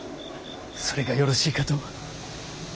それがよろしいかと。